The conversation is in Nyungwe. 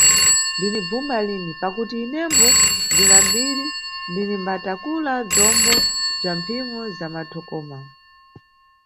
"ndinibvuma lini" pakuti inembo ndina mbiri, ndinimbatakula bzombo bza mphimo za mathokhoma.